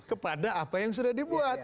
kepada apa yang sudah dibuat